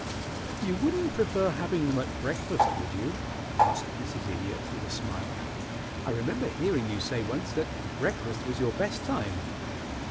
"You wouldn't prefer having them at breakfast, would you?" asked Mrs. Idiot, with a smile. "I remember hearing you say once that breakfast was your best time."